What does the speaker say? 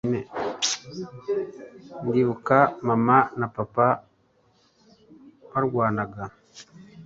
ndibuka mama na papa barwanaga